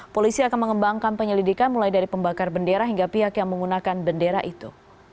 polisi akan mengembangkan penyelidikan mulai dari pembakar bendera hingga pihak yang menggunakan bendera itu